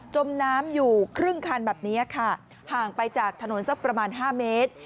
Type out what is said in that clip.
มน้ำอยู่ครึ่งคันแบบนี้ค่ะห่างไปจากถนนสักประมาณ๕เมตร